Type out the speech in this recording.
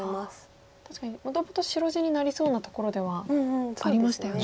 確かにもともと白地になりそうなところではありましたよね。